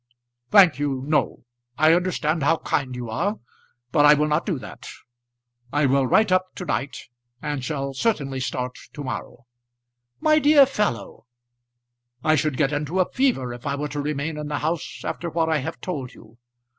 "Thank you, no; I understand how kind you are, but I will not do that. I will write up to night, and shall certainly start to morrow." "My dear fellow " "I should get into a fever, if I were to remain in this house after what I have told you.